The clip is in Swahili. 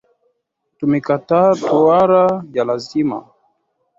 Tumekataa tohara ya lazima